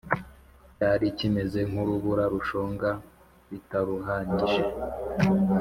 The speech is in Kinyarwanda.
cyari kimeze nk’urubura rushonga bitaruhanyije.